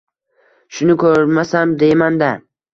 Shuni ko`rmasam deyman-da